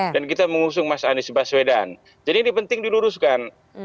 dan kita mengusung mas anies baswedan jadi ini penting diluruskan